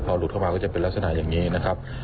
พอหลุดเข้ามาก็จะเป็นลักษณะอย่างนี้นะครับ